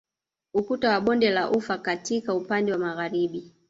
Ukuta wa bonde la ufa katika upande wa Magharibi